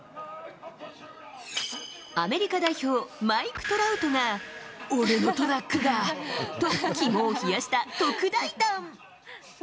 アメリカ代表、マイク・トラウトが、俺のトラックがと、肝を冷やした特大弾。